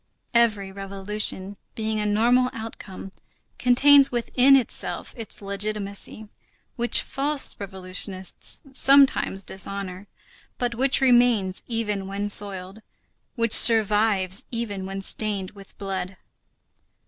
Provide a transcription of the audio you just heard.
Every revolution, being a normal outcome, contains within itself its legitimacy, which false revolutionists sometimes dishonor, but which remains even when soiled, which survives even when stained with blood.